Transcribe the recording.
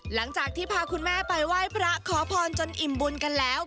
หลังจากที่พาคุณแม่ไปไหว้พระขอพรจนอิ่มบุญกันแล้ว